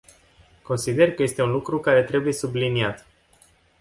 Consider că este un lucru care trebuie subliniat.